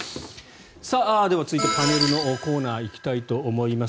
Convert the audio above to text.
では、続いてパネルのコーナー行きたいと思います。